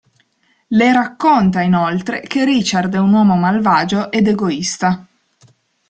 Le racconta, inoltre, che Richard è un uomo malvagio ed egoista.